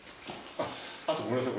あとごめんなさい。